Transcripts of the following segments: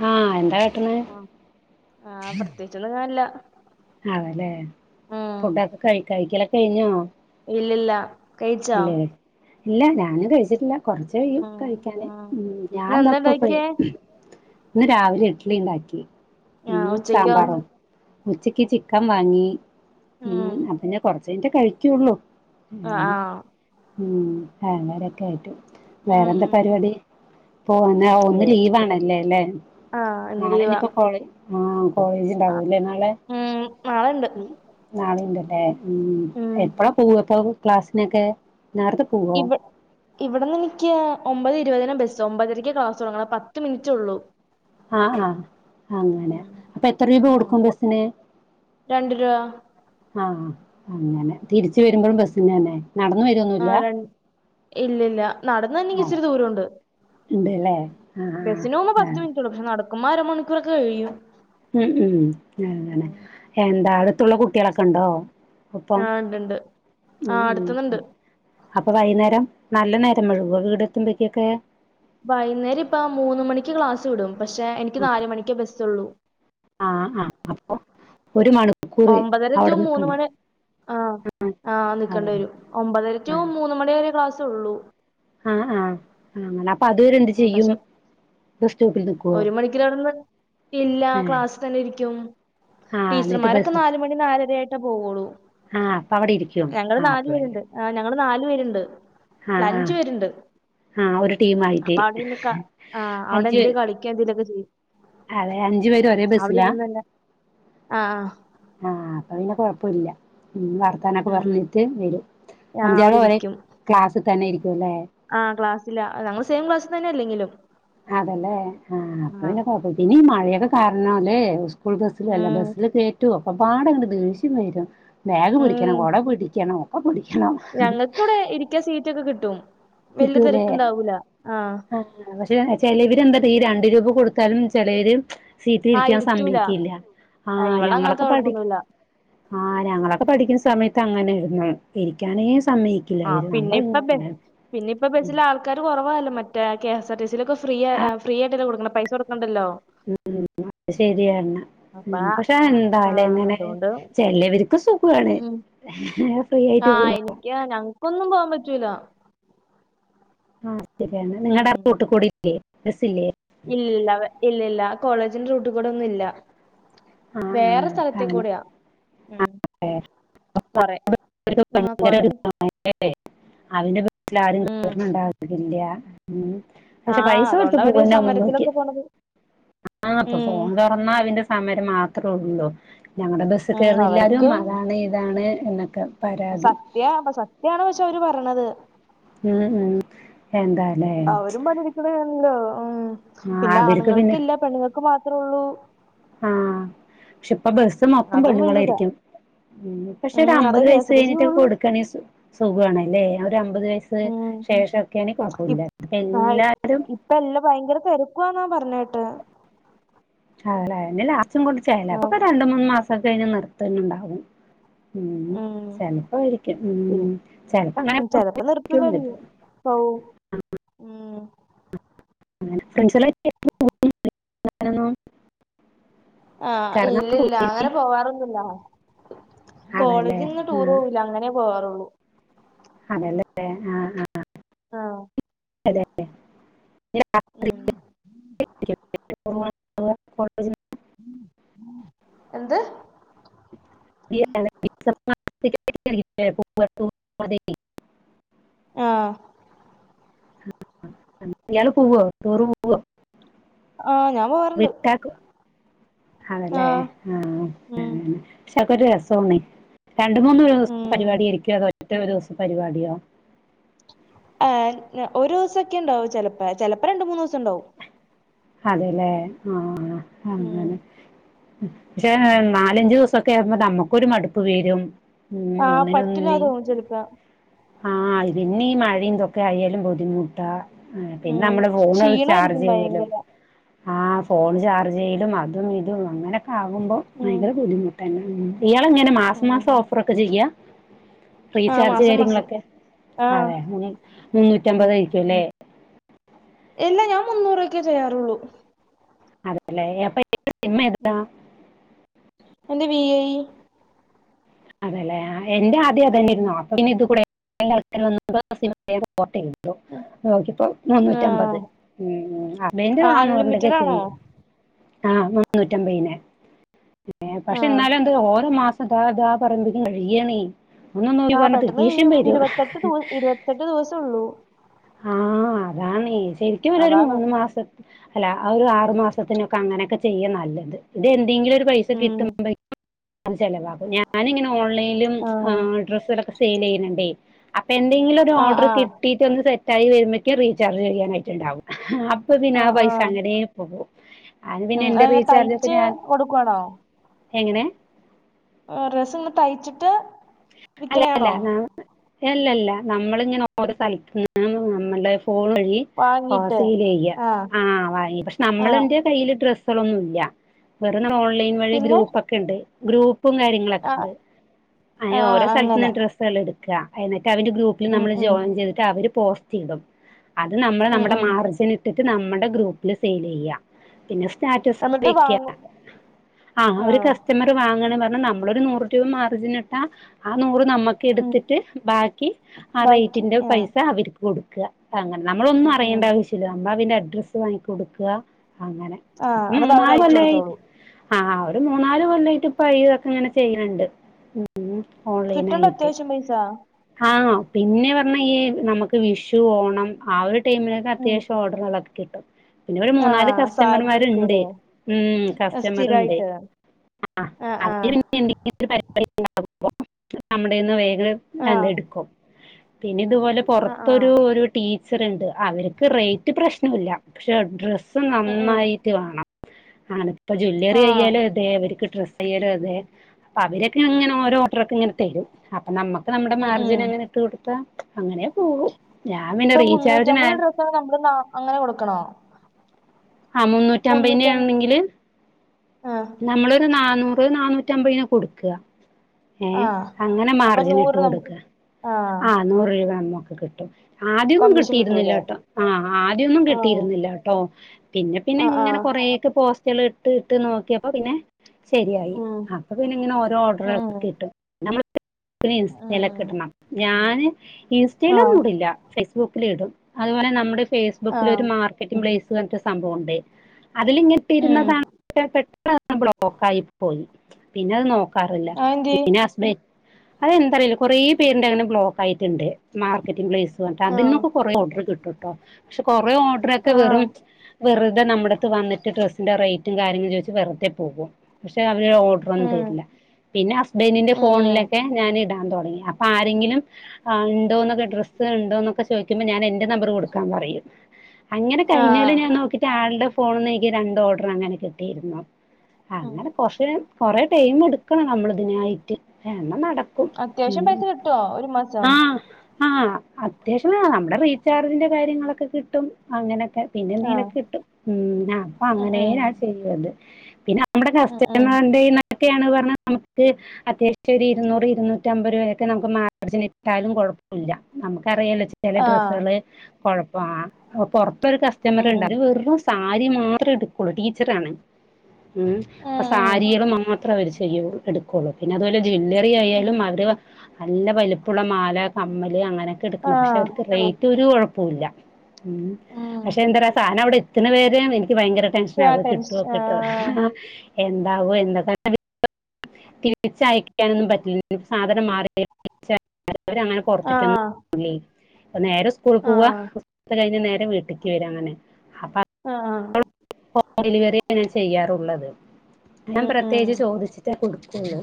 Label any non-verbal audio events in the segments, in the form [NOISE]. ഹാ എന്താ ക അ ആ പ്രത്യേകിച്ചൊന്നും കാൺല്ല അതെ ലേ ഫുഡൊക്കെ കയ് കയ്ക്കലൊക്കെ കയ്ഞ്ഞോ ഇല്ലല്ലാ ഇല്ലേ ഇല്ല ഞാനും കയ്ച്ചിട്ടില്ല. കൊർച്ച് കയ്യും ഉം കയ്ക്കാന് ഉം ഇന്നെന്താ ഞാൻന്തപ്പ ഫ്രീ ഇണ്ടാക്കിയേ ഇന്ന് രാവിലെ ഇഡ്ലി ഇണ്ടാക്കി ആഹ് ഉം ഉച്ചക്കോ സാമ്പാറും. ഉച്ചക്ക് ചിക്കം വാങ്ങി ഉം അപ്പൊ പിന്നെ കൊർച്ച് കയ്ഞ്ഞിട്ടേ കഴ്ക്കൊള്ളൂ. അ ആ ഉം അങ്ങരെക്കായ്ട്ടും. ഉം വേറെന്താ ഉം പരിവാടി പോവാന ഓ ഇന്ന് ഏഹ് ലീവാണല്ലേ ലേ ആഹ് ഇന്ന് നാളെ ലീവാ ഇനിപ്പോ കോളെ ആഹ് കോളേജ്ണ്ടാവൂലെ നാളെ നാളണ്ട് നാളണ്ട് ലെ ഉം എപ്പളാ പോവപ്പൊ ക്ലാസിനൊക്കെ നേർത്തെ ഇപട് ഇവെട്ന്ന് നിക്ക് ഒമ്പതേഇരുപതിന ബെസ് ഒമ്പതരയ്ക്കെ ക്ലാസ് തൊടങ്ങണ പത്ത് മിൻറ്റൊള്ളൂ. ആ ആ അങ്ങനെ അപ്പൊ എത്ര ഉം രൂപകൊട്ക്കും അപ്പൊ ബെസ്സിന് രണ്ട് രൂപ ആഹ് അങ്ങനെ തിരിച്ച് വെരുമ്പളും ബെസ്സിനെന്നേ നട്ന്ന് വെരൊ ആ രണ്ട് ഇല്ല, ഇല്ല നടന്നര്നങ്കി ഇച്ചിരി ദൂരോണ്ട്. ഇണ്ട് ലേ ബെസ്സിന് പോവുമ്പം പത്ത്മിൻറ്റൊള്ളൂ പക്ഷെ നടക്കുമ്പോ അരമണിക്കൂറൊക്കെ കയ്യും. ഉം ഉം അങ്ങനെഎന്താ അടുത്തുള്ള കുട്ടിയാളൊക്കെ ഇണ്ടോ ഒപ്പം ആഹ് ഇണ്ട്ണ്ട് ആ ഉം, അടുത്തുന്നുണ്ട് ഉം അപ്പൊ വൈന്നേരം നല്ല നേരംവൈകോ വീടെത്തുമ്പെയ്ക്കൊക്കെ വൈന്നേരം ഇപ്പം മൂന്ന് മണിക്ക് ക്ലാസ് വിടും പക്ഷെ എനിക്ക് നാല്മണിക്കെ ബെസ്സള്ളു. ആ ആ അപ്പൊ ഒര് മണിക്കൂറ് അവടെ നിക്കണം ആഹ് ആ നിക്കേണ്ടി വെരും ഒമ്പതര റ്റു മൂന്ന്മണി വരെ ക്ലാസൊള്ളൂ. ആ ആ അങ്ങനെ അപ്പൊ അത് വരെ എന്ത്ചെയ്യും ബെസ് സ്റ്റോപ്പിൽ നിക്കോ ഒര് മണിക്കൂറവ്ട്ന്ന് ഇല്ല ഏഹ് ക്ലാസ് തന്നെ ഇരിക്കും ആഹ് എന്നിട്ട് ടീച്ചർമാരൊക്കെ ബസ് നാല്മണി ന്നാലെരയായിടട്ടേ ആഹ് അപ്പൊ അവിടെ ഇരിക്കും പോവൊളൂഞങ്ങള് ആഹ് ന്നാല് അപ്പൊ പിന്നെ പേരുണ്ട് ആഹ് ഞങ്ങള്ന്നാല് പേരുണ്ട്. ആഹ് ആഹ് ല്ലഞ്ച് പേര്ണ്ട് ആഹ് ഒരു ടീമായിട്ട് അപ്പഅവ്ടെന്ന്ക ആഹ് ന്തെരുകളി ക്കേന്തേലൊക്കെചെയ്യും. അതെഅഞ്ചുപേരുംഒരേ ബെസ്സിലാ? തന്നെ ആ ആ ആഹ് അപ്പൊപിന്നെ കൊഴപ്പൊല്ല ഇന്നർ ഉം ത്താനൊക്കെപറഞ്ഞിട്ട് വെരും ആ അവിടെ അഞ്ചാറുപറി ക്ലാസ്സിതെന്നെ ഇരിക്കുംല്ലേ. ആഹ് ക്ലാസ്സില ന്നങ്ങൾ സെയിംക്ലാസിൽ തെന്നെഅല്ലെങ്കിലും. അതലേ ആഹ് അപ്പൊപിന്നെ കൊപ്പം പിന്നീ മഴയൊക്കെകാരണംല്ലേ. സ്കൂൾബസ്സിലല്ല ഉം ബെസ്സില്കേറ്റു ഒക്കപ്പാടെങ്ങട് ദേഷ്യംവെരും. ബാഗ്പിടിക്കണം കൊടപിടിക്കണം ഒക്കെപിടിക്കണം. ഞങ്ങൾക്കവിടെ ഇരിക്കാസീറ്റൊക്കെ കിട്ടും. വല്യ കിട്ടുലേ തെരക്കുണ്ടാവൂല ആഹ് പക്ഷെ ചിലെവെര് എന്താ ഈരണ്ട് രൂപ കൊടുത്താലുംചെലെവെര് ആഹ് സീറ്റിലിരിക്കാൻ ഇരുത്തൂല സമ്മക്കീല്ല ആഹ് ഇവളങ്ങനത്തെ ഞങ്ങളൊക്കെ പഠിക് കൊഴപ്പൊന്നുല്ല ആഹ് ഞങ്ങളൊക്കെ പഠിക്കുന്ന സമയത്ത് അങ്ങനെയിരുന്നു ഇരിക്കാനേ സമ്മയി ക്കില്ല ഇവര് നമ്മളിങ്ങനെ പിന്നിപ്പ പെച്ചില ആൾ ക്കാര് കുറവായല്ലോ മറ്റെ കെ എസ്ആർ ടി സിയിലൊക്കെ ഫ്രീയ ഫ്രീയിട്ടല്ല കൊട്ക്ക്‌ണ പൈസൊട്ക്കണ്ടല്ലോ ഉം അത് ശരിയന്ന അപ്പ പഷെ എന്താലെ ആഹ് ഇങ്ങനെ അതുകൊണ്ട് ചെലവര്ക്ക് സുഖുവാണ് ഉം ആഹ് എനിക്ക് ഞങ്ങക്കൊന്നും പോവാം പറ്റൂലാ ആഹ് ശരിയാണ് നിങ്ങടെ ഉം കൂട്ടുകൂടില്ലേ ബസ്ല്ലെ ഇല്ലില്ല ഇല്ലല്ല കോളേജിന്റെ റൂട്ട്കൂടെ ഒന്നുല്ല ആ ആ വേറെ സ്ഥലത്തെ അങ്ങനെ കൂടെയാ ഉം കൊറെ ആഹ് ഭയങ്കര കൊറെ സയ അവന്റെ വീട്ടിൽ ഉം ആരുംരണം ഉണ്ടാവുന്നില്ല [UNINTELLIGIBLE] ഉം പഷെ ആഹ് പൈസ കൊടുത്ത് അതുകൊണ്ട് അവര് പോവന്ന ഒന്ന്ന്ന് നോക്കി സമരത്തിലൊക്കെ പോണത് ആ ഇപ്പൊ ഉം പോണ്ട തൊന്നാ അവിന്റെ സമരം മാത്രം ഒള്ളൂ ഞങ്ങടെ ബസ്സ് ഉം കേറുന്നില്ലാരും അവർക്കും അതാണ് ഇതാണ് എന്നൊക്കെ പരാ സത്യാ പ സത്യാണോച്ചാ അവര് പറ്ണത് ഉം ഉം എന്താലേ അവരും പണിട്ക്കണന്നെ ഉം ആഹ് പിന്നെ അവർക്ക് ആണുങ്ങൾക്ക് പിന്നെ ഇല്ല പെണ്ണുങ്ങൾക്ക് മാത്രൊള്ളൂ ആഹ് പഷ് ഇപ്പൊ ബസ് മൊത്തം അതും വലുതാ പെണ്ണുങ്ങളായിരിക്കും ഉം പഷെ ഉം ഒരു അത് അമ്പത് കെ വയസ് എസ് ആർ ടി സി കഴിഞ്ഞിട്ട് പോണു കൊടുക്കാണ സുഖാണല്ലേ ഒര് അമ്പത് വയസ് ഉം ശേഷക്കെയാണെ കുഴപ്പുല്ല ഇപ് ആഹ് എല്ലാരും ഇപ്പ എല്ലാ ഭയങ്കര തിരക്കൊന്നാ പറഞ്ഞെട്ട് അഎലാ ഇഞ്ഞ ലാച്ചും കൊണ്ട് ചേല അപ്പൊക്കെ രണ്ട് മൂന്ന് മാസംക്കഴിഞ് നിർത്തന്നെണ്ടാവും ഉം ചെൽപ്പോ ആയിരിക്കും ഉം പിൻ ചെൽപ്പോ അങ്ങനെ പൗ ഉം അങ്ങനെ ഫ്രണ്ട്സട്ട് [UNINTELLIGIBLE] ആഹ് ഇല്ലില്ല പോയി അങ്ങനെ പോവാറൊന്നില്ല അതല്ലേ കോളേജിന്ന് ടൂർ ആ പോവുല്ല അങ്ങനെ പോവാറുള്ളൂ അതല്ലേല്ലെ ആഹ് ആഹ് ആഹ് അതെ ഉം [UNINTELLIGIBLE] എന്ത് [UNINTELLIGIBLE] ആഹ് പഇയാള് പോവോ ടൂറ് പോവോ ആഹ് ഞാൻ പോവാറ്ണ്ട് വിട്ടാക്കോ അതല്ലേ ആഹ് അ ഉം പഷെ അഒക്കൊരു രസാണെ രണ്ട് മൂന്ന് ഒരു ദിവസം ഉം പരിപാടി ആയിര്ക്യോ അതോ ഒറ്റ ഒരു ദിവസം പരിപാടിയോ ഒരൂസൊക്കെ ഇണ്ടാവും ചെലപ്പ ചെലപ്പോ രണ്ട് മൂന്നൂസം ഉണ്ടാവും അതെല്ലേ ആഹ് ഉം അങ്ങനെ പഷെ ഉം നാലഞ്ചൂസൊക്കെ ആകുമ്പോ നമ്മക്കൊരു മടുപ്പ് വരും ഉം ആഹ് ഒന്നിനൊന്നിന് പറ്റില്ലതോന്നും ചെല്പ്പ ആഹ് ഇതന്നെ ഈ മഴയുംതൊക്കെ ആയാലും ബുദ്ധിമുട്ടാ ആഹ് പിന്നെ ഉം നമ്മള് ഫോണ് ക്ഷീണായിരിക്കും ചാർജ്യ്യലും ഭയങ്കര ആഹ് ഫോൺ ചാർജ് ചെയ്യലും അതും ഇതും അങ്ങനൊക്കെ ആകുമ്പോ ഉം ഭയങ്കര ബുദ്ധിമുട്ടന്നെ ഉം ഇയാളങ്ങനെ മാസം ഉം മാസം ഓഫറൊക്കെ ചെയ്യാ ആഹ് റീചാർജ് മാസം മാസം കാര്യങ്ങളൊക്കെ ആഹ് അതെ മുന്നൂറ്റമ്പത് ആയിരിക്കുംലെ എല്ലാ ഞാൻ മുന്നൂറക്കെ ചെയ്യാറുള്ളൂ അല്ലെ അപ്പൊ [UNINTELLIGIBLE] സിമ്മ് എതാ ഉം എന്റെ വി ഐ അതെല്ലേ എന്റെ ആദ്യം അതന്നെ ഉം യായിരുന്നു അപ്പൊ ഇനി ഇത് കൂടെ വി ഐ ആൾക്കാര് വന്നപ്പ [UNINTELLIGIBLE] നോക്കിപ്പോ മുന്നൂറ്റമ്പത് ആഹ് ഉം ഉം അമ്മന്റെ ആഹ് നാന്നൂറിന്റെയൊക്കെ അൺലിമിറ്റഡ് ആണോ ചെയ്യ ആഹ് മന്നൂറ്റമ്പതിന് പക്ഷെ ആഹ് എന്നാലും എന്തൊരു ഓരോ മാസം ഇതാ ഇതാ [UNINTELLIGIBLE] കഴിയ്യാന്നേ ഒന്ന് നോക്കി ആഹ് പർഞ്ഞട്ട് പെട്ടെന്ന് ദേഷ്യം കഴിയും വരൂ ഇരുപത്തെട്ട് ദിവ ഇരുപത്തെട്ട് ദിവസം ഉള്ളൂ ആഹ് അതാണ് ശരിക്കും പറഞ്ഞാ ഒരു അതാണ് മൂന്ന് മാസ അല്ല ആ ഒരു ആറു മാസത്തിനൊക്കെ അങ്ങനൊക്കെ ചെയ്യ നല്ലത്. ഇത് എന്തേങ്കിലു ഒര് രു പൈസ ഉം കിട്ടുമ്പോഴേക്കും അത് ചെലവാക്കും. ഞാന് ഇങ്ങനെ ഓൺലൈനും ആഹ് ഏഹ് ഡ്രസ്സ്‌ള് ഒക്കെ സെയിൽ ചെയ്യണണ്ടേ. അപ്പൊ എന്തെങ്കിലും ഒരു ആഹ് ഓർഡർ ആഹ് കിട്ടീട്ട് ഒന്ന് സെറ്റ് ആയി വരുമ്പയ്ക്കും റീചാർജ് ചെയ്യാനായി റ്റ്ണ്ടാവും അപ്പൊ പിന്നെ ആ ആഹ് പൈസ ആഹ് അങ്ങനെ പോകും അത് പിന്നെ ഉം എന്റെ അത് റീചാർജ് ഒക്കെ തയ്ച്ച് ഞാൻ കൊടുക്കുവാണോ എങ്ങനെ റസ്സ്ഇങ്ങള് തയ്ച്ചിട്ട് അല്ല അല്ല വിക്കണയാണോ നാം അല്ലല്ല നമ്മളിങ്ങനെ ഓരോ സ്ഥലത്തും നമ്മുടെ ഫോൺ വഴി ഓ വാങ്ങിട്ട് സെയില് ചെയ്യ. ആഹ് വാങ്ങി പക്ഷെ ആഹ് നമ്മളെന്റെ കയ്യില് ഡ്രസ് സ്സ്‌കളൊന്നും ഇല്ല വേറെ നമ്മൾ ഓൺലൈൻ വഴി പിന്നെ ഗ്രൂപ്പക്കെ ഇണ്ട് ഗ്രൂപ്പും കാര്യ ആഹ് ങ്ങളൊക്കെണ്ട് അതിന് ആഹ് ഓരോ സ് അങ്ങനെ സ്സേള് എട്ക്കാ എന്നിട്ട് അവന്റെ ഗ്രൂപ്പിൽ ഉം നമ്മള് ഉം ജോയിൻ ചെയ്തിട്ട് അവര് പോസ് റ്റിടും. അത് നമ്മൾ ഉം നമ്മുടെ ഉം മാർജിൻ ഇട്ടിട്ട് നമ്മടെ ഗ്രൂപ്പിൽ സെയിൽ ചെയ്യ. പിന്നെ സ്റ്റാറ്റസ് എന്നിട്ട് വെക്ക്യ വാങ്ങും ആഹ് ഒരു കസ്റ്റമർ ട്ട് വാങ്ണ് പർഞ്ഞാ നമ്മളൊരു നൂറ് രൂപ മാർജിനിട്ടാ ആ നൂറ് നമ്മ ഉം എടുത്തിട്ട് ബാക്കി ആ ബാക്കി റേറ്റിന്റെ ആഹ് പൈസ അവരിക്ക് കൊടുക്ക അങ്ങനെ നമ്മളൊന്നും ഉം അറിയേണ്ട ഉം ആവശ്യമില്ല നമ്മ അവന്റെ അഡ്രസ്സ് വാങ്ങി കൊടുക്ക അങ്ങനെ ആഹ് അപ്പൊരു എന്നിട്ട് അവര് മൂന്നാല് അയച്ചു കൊല്ലായി കൊടുത്തോളൂ ആഹ് ഒരു മൂന്നാല് കൊല്ലായിട്ട് ഇപ്പൊ ഈ ഇതൊക്കെ ഇങ്ങനെ ചെയ്യണ് ണ്ട്. ഉം ഓൺലൈൻ കിട്ടണ്ടോ ആയിട്ട് അത്യാവശ്യം പൈസ ആഹ് പിന്നെ പറഞ്ഞാ ഈ നമുക്ക് വിഷു ഓണം ആ ഒരു ടൈമിലൊക്കെ ഉം അത്യാവശ്യം ഓർ ഡറുകളൊക്കെ കിട്ടും പിന്നൊരു മൂന്നാല് ആഹ് കസ്റ്റമർമാരുണ്ട് സാരിക്കൊക്കെല്ലേ ഉം കസ്റ്റമർ ഇണ്ട് സ്ഥിരായിട്ട് ആഹ് ആഹ് [UNINTELLIGIBLE] നമ്മുടേന്ന് വേഗം അത് ആഹ് എടുക്കും. പിന്നെ ഇതുപോലെ ആഹ് ആഹ് പുറത്തൊരു ഒരു ടീ ച്ചറുണ്ട് അവർക്ക് റേറ്റ് പ്രശ്നല്ല പക്ഷെ ഡ്രസ്സ് ഉം ഉം നന്നായിട്ട് വേണം ആണ ഇപ്പൊ ജ്വല്ലറി ആഹ് അയാലോ അതെ അവർക്ക് ഡ്രസ്സ് അയ്യാലോ അതെ അപ്പൊ അവരൊക്കെ എങ്ങനെ ഓര് ഓഡർ ഒക്കെ ഇങ്ങനെ തരും അപ്പൊ നമ്മക്ക് നമ്മുടെ ഉം ഉം മാർജിൻ അങ്ങനെ ഇട്ട് കൊടുത്താ അങ്ങനെ പോകും ഞാൻ പിന്നെ ഇപ്പൊ റീചാർജിനാ മുന്നൂറ്റമ്പത് [UNINTELLIGIBLE] നമ്മള് അങ്ങനെ കൊടുക്കണോ ആഹ് മൂന്ന മുന്നൂറ്റ ആഹ് നമ്മളൊരു നന്നൂറ് നന്നൂറ്റി അമ്പതിന് കൊടുക്കുക ഏഹ് അങ്ങനെ മാർജിൻ ഇട്ട് കൊടുക്ക ആഹ് നൂറ് രൂപ നക്ക് കിട്ടും ആദ്യമൊന്നും കമ്മീഷൻ കിട്ടിയിരുന്നില്ല കിട്ടൂലേ കേട്ടോ ആഹ് ആദ്യമൊന്നും ആ കിട്ടിയിരുന്നില്ല കേട്ടോ പിന്നെ പിന്നെ ആ ആ ഇങ്ങനെ കൊറേക്കെ പോസ്റ്റുകൾ ഇ ഇട്ട് നോക്കിയപ്പോ പിന്നെ ശരിയായി ഉം അപ്പൊ പിന്നെ ഇങ്ങനെ ഓരോ ഓർഡർ ഉം കിട്ടും നമ്മ ഇൻസ്റ്റൽക്കെ ഉം കിട്ടണം ഞാന് ആ ഇൻസ്റ്റൽന്നും ഇടില്ല ഫേസ്ബുക്കില ഇടും അതുപോലെ നമ്മുടെ ആ ഫേസ്ബുക്കിൽ ഒരു മാർക്കറ്റി പ്ലേസ്ങ്ങനത്തെ സംഭവംണ്ട് അതിലിങ്ങിട്ട് ഉം ഇരുന്നതാണ് പെന്ന് ബ്ലോക്ക ആായി പോയി പിന്നെ അത് നോ റില്ല അതെന്തേ പിന്നെ ഹസ്ബൻഡ അതെന്താറിയില്ല കൊറേ പേരുന്റെ അങ്ങനെ ബ്ലോക്ക് ആയിട്ടുണ്ട് മാർക്കറ്റിംഗ് പ്ലേസ് പറഞ്ഞിട്ട് ആ അതിന്നൊക്കെ കുറേ ഓർഡറ് കിട്ടോ ട്ടോ പക്ഷെ കുറേ ഓർഡർ ഒക്കെ ആ വെറും- വെറുതെ നമ്മടെത്ത് ഡ്രസ്സിന്റെ റേറ്റും കാര്യങ്ങളും ചോദിച്ച് വെറുതെ പോകും പക്ഷെ അവരു ഓർഡർ ഒന്നും ഉം തരില്ല പിന്നെ ഹസ്ബൻഡിന്റെ ഉം ഉം ഫോണിലൊക്കെ ഞാൻ ഇടാൻ തുടങ്ങി അപ്പോ- അപ്പൊ ആരെങ്കിലും ആഹ് ഉണ്ടോക്കെ ഡ്രസ്സ് ഉണ്ടോന്നൊക്കെ ചോദിക്കുമ്പോൾ ഞാന് എന്റെ നമ്പർ കൊടുക്കാൻ പറയും. അങ്ങനെ ആ കഴിഞ്ഞ കൊല്ലം ഞാ നോക്കിട്ട് ആളുടെ ഫോണിൽന്ന് എനിക്ക് രണ്ട് ഓർഡർ അങ്ങനെ കിട്ടിയിരുന്നു അ- ഉം അങ്ങനെ കൊറേ കൊറെ ടൈം എടുക്കണം നമ്മള് ഇതിനായിട്ട് എന്ന നടക്ക- അത്യാവശ്യം പൈസ കിട്ടോ ഒരു മാസ- ആഹ് ആഹ് അത്യാവശ്യം നമ്മുടെ റീചാർജിന്റെ കാര്യങ്ങളൊക്കെ കിട്ടും അങ്ങനൊക്കെ പിന്നെ ആ എന്തേലൊക്കെ കിട്ടും ഉം അപ്പൊ ഉം അങ്ങനേയ ഉം ചെയ്യത് പിന്നെ- നമ്മുടെ ഉം ഉം കസ്റ്റമറോക്കെയാണ് പറഞ്ഞ നമുക്ക് അത്യാവശ്യം ഒരു ഇരുന്നൂറ് ഇരുന്നൂറ്റമ്പത് രൂപെ വരെ നമുക്ക് മാർജനിട്ടാലും കുഴപ്പില്ല നമുക്കറിയാല്ലോ ചില ആ ഡ്രസ്സുകള് കൊഴപ്പ പൊറത്തോരു ഉം കസ്റ്റമർണ്ട് ഉം അത് വെറും സാരി മാത്രേ എടുകൊള്ളു ടീച്ചർ ആാണ് ഉം അപ്പൊ സാരികള് മാത്ര അവര് ചെയ്യുള്ളു എടു- കൊള്ളു പിന്നെ അതുപോലെ ജ്വാല്ലറി ഉം ആയാലും അവർ- നല്ല വലുപ്പുള്ള മാല കമ്മല് അങ്ങനെയൊക്കെ ആ എടുക്കണത് പക്ഷെ അവർക്ക് റേറ്റ് ഒരു കുഴപ്പമില്ല ഉം ഉം പക്ഷെ എന്താ പറ സാധനം അവിടെ എത്ത് ണ വരെ എനിക്ക് ഭയങ്കര- ടെൻഷന് ആ ആഹ് ടെൻഷ് കിട്ടുവോ ആ കിട്ടോ എന്താകോ എന്തൊക്ക തിരിച്ചയക്കാനൊന്നും പറ്റില്ല സാധനം മാർ- ങ്ങനെ ആ പുറത്തേക്കൊന്നും പോകില്ലേ പ്പ നേരെ സ്‌കൂൾ ആ പോവാ സ്കൂൾ കഴിഞ്ഞ നേരെ വീട്ടേക്ക് വരാ അങ്ങനെ ആഹ് ആഹ് ഹോം ഡെലിവറി യാ ഞാൻ ചെയ്യാറുള്ളത് ഞാൻ ഉം ഉം പ്രത്യേകിച്ച് ചോദിച്ചിട്ടേ കൊടുക്കുള്ളൂ.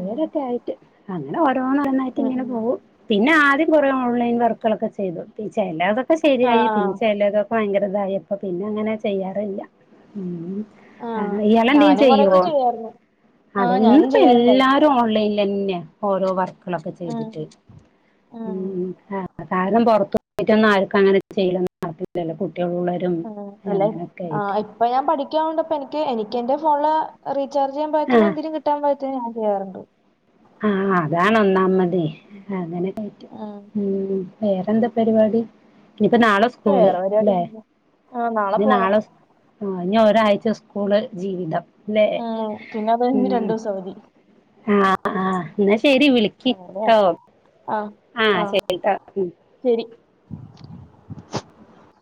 ഉം ആയിട്ട് അങ്ങനെ ഓരോ ഓരോന്നായിട്ട് ഉം ഇങ്ങനെ ഉം പോകും പിന്നെ ആദ്യം കുറെ ഓൺലൈൻ വർക്കുകളൊക്കെ ചെയ്തു പിന്നെ ചിലതൊക്കെ ആ ശരിയായി ആ പിന്നെ ചിലതൊക്കെ ഭയങ്കര ഇതായിപ്പ പിന്നെ അങ്ങനെ ചെയ്യാറില്ല ഉം ആ ഇയാള് എന്തെല്ലും ഞാനും ചെയ്യോ കൊറെയൊക്കെ ചെയ്യായിരുന്നു ആ അതെ ഞാനും ഇന്നപ്പോ എല്ലാര- ചെയ്യാറുണ്ടായി ല്ലാവരും ഓൺലൈൻ തന്നെ ഓരോ വർക്കുകളൊക്കെ ഉം ചെയ്തിട്ട് ഉം [UNINTELLIGIBLE] കാരണം പുറത്തു പോയിട്ടൊന്നും ആർക്കും അങ്ങനെ ചെയ്യണം ന്നില്ലല്ലോ കുട്ടികളുള്ളവരും ആഹ് അല്ലെ അങ്ങനൊക്കെ ആഹ് ആയിട്ട് ആഹ് ഇപ്പൊ ഞാൻ പഠിക്കാ കൊണ്ടപ്പോ എനിക്ക് എനിക്ക്‌ എന്റെ ഫോണ് ല് റീചാർജ് ചെയ്യൻ പറ്റുന്ന ആഹ് എന്തര് കി കിട്ടാൻ പറ്റുന്ന ഞാൻ ചെയ്യാറുണ്ട് ആഹ് അതാണ് ഒന്നാമത് അതിനെക്കെ പറ്റും ഉം വേറെന്താ പരിപാടി ഇനിയിപ്പോ നാളെ സ്കൂള് വേറെ ല്ലേ പരിപാടിയൊന്നുമില്ല ആ ഇനി പോണം നാളെ സ്കൂ ആഹ് ഇഞ്ഞി ഒരാഴ്ച സ്കൂള് ജീവിതം അല്ലെ ഉം പിന്നെ അത് കഴിഞ്ഞു രണ്ടു ദിവസം അവധി ആഹ് ആഹ് ഇന്നാ ശെരി വിളി അതെ അതെ ആഹ് ആഹ് ശരി ട്ടോ ഉം ശരി